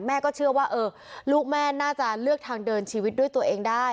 เชื่อว่าลูกแม่น่าจะเลือกทางเดินชีวิตด้วยตัวเองได้